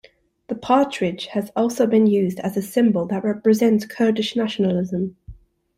The partridge has also been used as a symbol that represents Kurdish nationalism.